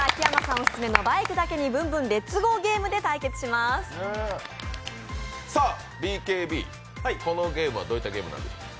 オススメの「バイクだけにブンブンレッツゴーゲーム」でＢＫＢ、このゲームはどういったゲームなんですか？